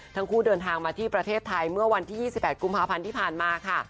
ทั้งคู่เดินทางมาที่ประเทศไทยเมื่อวันที่๒๘กุมภาพันธ์ที่ผ่านมาค่ะ